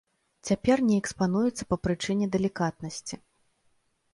Цяпер не экспануецца па прычыне далікатнасці.